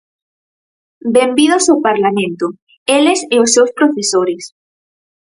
Benvidos ao Parlamento, eles e os seus profesores.